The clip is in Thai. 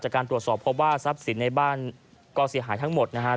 การตรวจสอบพบว่าทรัพย์สินในบ้านก็เสียหายทั้งหมดนะฮะ